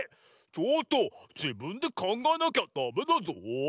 「ちょっとじぶんでかんがえなきゃダメだゾウ」。